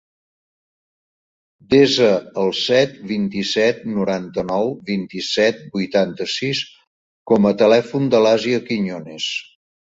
Desa el set, vint-i-set, noranta-nou, vint-i-set, vuitanta-sis com a telèfon de l'Àsia Quiñones.